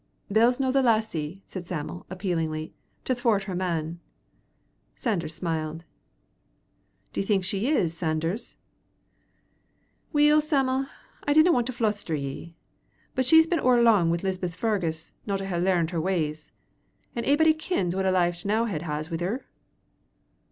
"Bell's no the lassie," said Sam'l, appealingly, "to thwart her man." Sanders smiled. "D'ye think she is, Sanders?" "Weel, Sam'l, I d'na want to fluster ye, but she's been ower lang wi' Lisbeth Fargus no to hae learnt her ways. An' a'body kins what a life T'nowhead has wi' her."